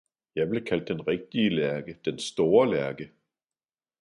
jeg blev kaldt den rigtige lærke, den store lærke!